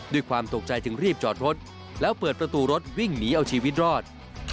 ด้วยความตกใจจึงรีบจอดรถแล้วเปิดประตูรถวิ่งหนีเอาชีวิตรอด